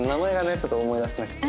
ちょっと思い出せなくて。